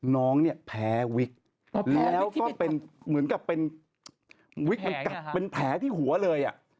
น้องเนี่ยแพ้วิกแล้วก็เป็นเหมือนกับเป็นแพ้ที่หัวเลยอะ